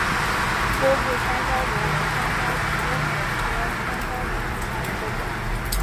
波部山椒螺为山椒蜗牛科山椒螺属下的一个种。